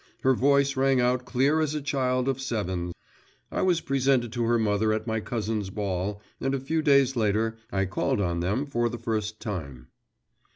Her voice rang out clear as a child of seven's. I was presented to her mother at my cousin's ball, and a few days later I called on them for the first time.